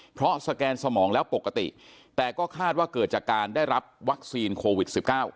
เพราะสแกนสมองแล้วปกติแต่ก็คาดว่าเกิดจากการได้รับวัคซีนโควิด๑๙